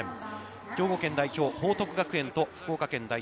兵庫県代表・報徳学園と福岡県代表